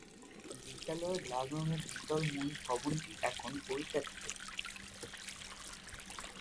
বিদ্যালয়ের লাল রঙের দ্বিতল মূল ভবনটি এখন পরিত্যক্ত।